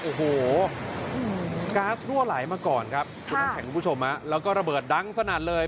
โอ้โหก๊าซรั่วไหลมาก่อนครับคุณน้ำแข็งคุณผู้ชมฮะแล้วก็ระเบิดดังสนั่นเลย